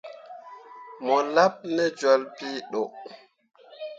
Mo laɓ ne jolle pii ɗo.